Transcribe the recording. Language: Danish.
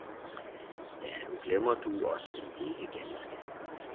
Ja, nu glemmer du os vel ikke ganske!